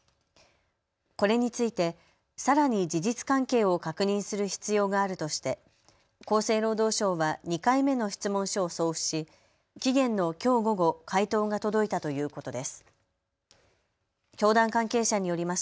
これについて、さらに事実関係を確認する必要があるとして厚生労働省は２回目の質問書を送付し期限のきょう午後、回答が届いたということです。